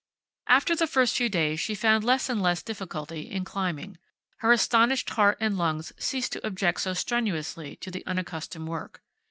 After the first few days she found less and less difficulty in climbing. Her astonished heart and lungs ceased to object so strenuously to the unaccustomed work.